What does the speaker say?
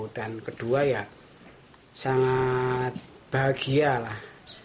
dan kedua ya sangat bahagia lah